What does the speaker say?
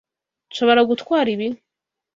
Nshobora kugutwara ibi?